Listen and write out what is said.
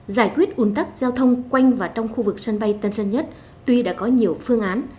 giải quyết ủn tắc giao thông quanh và trong khu vực sân bay tân sân nhất tuy đã có nhiều phương án